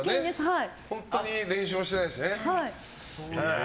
本当に練習してないしね。